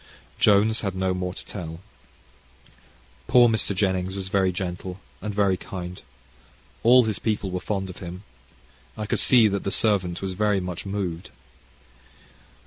Jones had no more to tell. Poor Mr. Jennings was very gentle, and very kind. All his people were fond of him. I could see that the servant was very much moved.